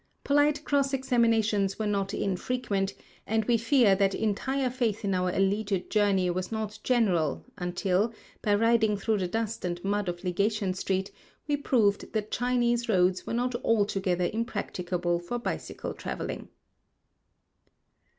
Polite cross examinations were not infrequent, and we fear that entire faith in our alleged journey was not general until, by riding through the dust and mud of Legation street, we proved that Chinese roads were not altogether impracticable for bicycle traveling.